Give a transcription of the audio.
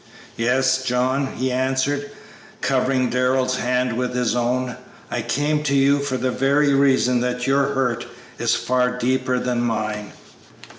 "Yes, John," he answered, covering Darrell's hand with his own; "I came to you for the very reason that your hurt is far deeper than mine."